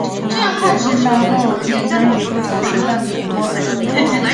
台视稍后曾于不同时段重播本作品。